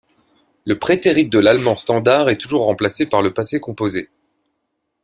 Le prétérit de l'allemand standard est toujours remplacé par le passé composé.